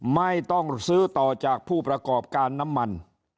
ไม่ต้องซื้อต่อจากผู้ประกอบการน้ำมัน